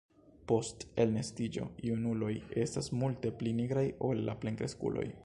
Post elnestiĝo junuloj estas multe pli nigraj ol la plenkreskuloj.